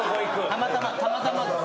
たまたまたまたまです。